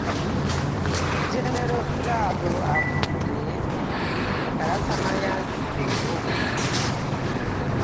Genero Biraro afudde mu kalasamayanzi leero.